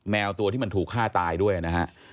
แมวตัวที่มันถูกฆ่าตายด้วยนะฮะ